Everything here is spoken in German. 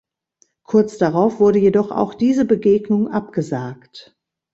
Kurz darauf wurde jedoch auch diese Begegnung abgesagt.